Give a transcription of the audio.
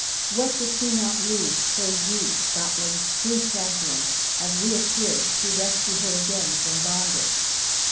What did he not lose till you, Scotland's true champion, have reappeared to rescue her again from bondage?"